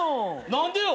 何でよ！